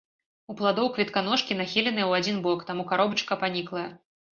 У пладоў кветаножкі нахіленыя ў адзін бок, таму каробачка паніклая.